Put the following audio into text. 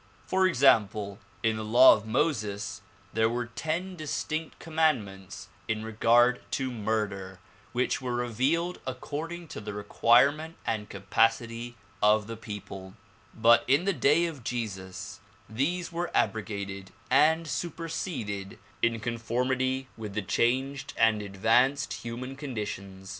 For example, in the law of Moses there were ten distinct commandments in regard to murder which were revealed according to the requirement and capacity of the people ; but in the day of Jesus these were abrogated and superseded in conformity with the changed and advanced human conditions.